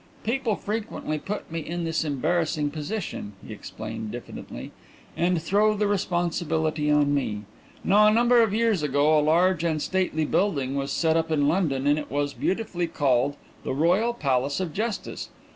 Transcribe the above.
"People frequently put me in this embarrassing position," he explained diffidently, "and throw the responsibility on me. Now a number of years ago a large and stately building was set up in London and it was beautifully called 'The Royal Palace of Justice.'